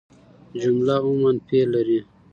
جمله عموماً فعل لري.